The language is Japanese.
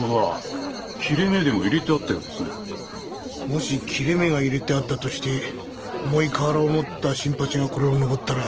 もし切れ目が入れてあったとして重い瓦を持った新八がこれを上ったら。